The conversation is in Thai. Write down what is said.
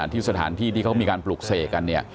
ที่สถานที่ที่เขามีการปลูกเสกกัน